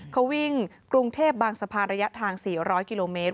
เขาวิ่งกรุงเทพบางสะพานระยะทาง๔๐๐กิโลเมตร